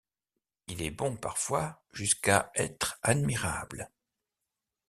Il est bon parfois jusqu’à être admirable.